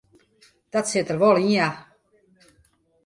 Dat sit der wol yn ja.